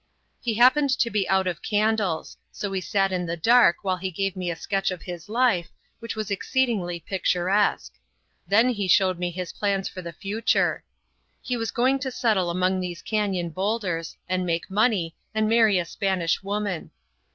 He happened to be out of candles, so we sat in the dark while he gave me a sketch of his life, which was exceedingly picturesque. Then he showed me his plans for the future. He was going to settle among these cañon boulders, and make money, and marry a Spanish woman.